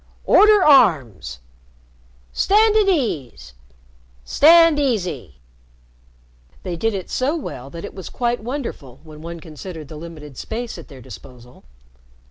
"Order arms! "Stand at ease! "Stand easy!" They did it so well that it was quite wonderful when one considered the limited space at their disposal.